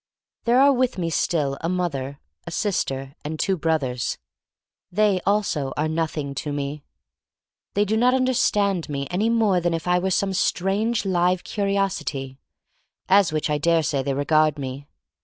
There are with me still a mother, a sister, and two brothers. They also are nothing to me. They do not understand me any more than if I were some strange live curi osity, as which I dare say they regard me.